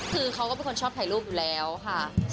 คือเขาก็เป็นคนชอบถ่ายรูปอยู่แล้วค่ะ